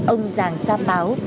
ông giàng sa báo